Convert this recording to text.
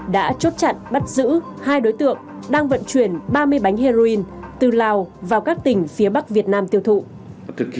đã chốt chặn bắt giữ hai đối tượng đang vận chuyển ba mươi bánh heroin từ lào vào các tỉnh phía bắc việt nam tiêu thụ